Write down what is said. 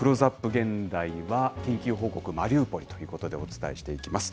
現代は、緊急報告マリウポリということでお伝えしていきます。